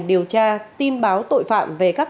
điều tra tin báo tội phạm về các